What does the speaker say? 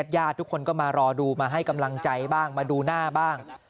ญาติทุกคนก็มารอดูมาให้กำลังใจบ้างมาดูหน้าบ้าง